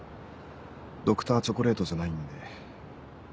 Ｄｒ．チョコレートじゃないんで。